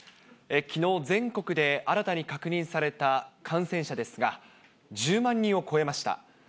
きのう、全国で新たに確認された感染者ですが、１０万人を超えました。